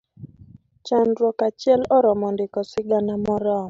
Chandruok achiel oromo ndiko sigana moromo.